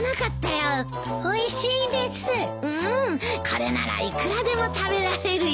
これならいくらでも食べられるよ。